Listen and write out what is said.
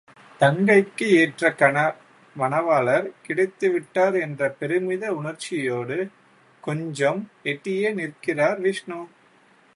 தங்கைக்கு ஏற்ற மணவாளர் கிடைத்துவிட்டார் என்ற பெருமித உணர்ச்சியோடு கொஞ்சம் எட்டியே நிற்கிறார் விஷ்ணு.